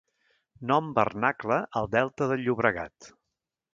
Nom vernacle al Delta del Llobregat: